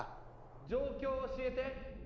・状況を教えて！